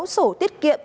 sáu sổ tiết kiệm